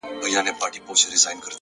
هر منزل د بل سفر پیل وي